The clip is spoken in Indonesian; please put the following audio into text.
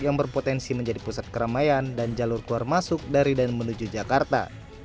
yang berpotensi menjadi pusat keramaian dan jalur keluar masuk dari dan menuju jakarta